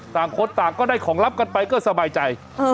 ต่างคนต่างก็ได้ของลับกันไปก็สบายใจ